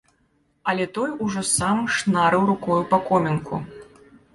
Але той ужо сам шнарыў рукою па комінку.